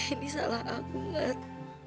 ini salah aku mar